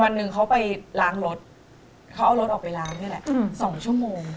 วันหนึ่งเขาไปล้างรถเขาเอารถออกไปล้างนี่แหละ๒ชั่วโมง